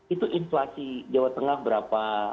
itu inflasi jawa tengah berapa